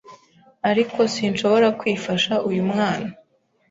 Ariko sinshobora kwifasha uyumwana